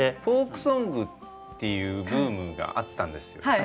フォークソングっていうブームがあったんですよ。